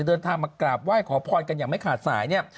เดินทางมากราบไหว้ขอพรกันอย่างไม่ขาดสายเนี่ย